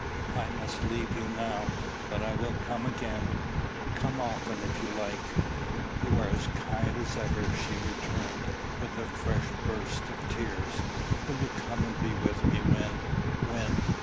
"I must leave you now; but I will come again, come often if you like." "You are as kind as ever!" she returned, with a fresh burst of tears. "Will you come and be with me when when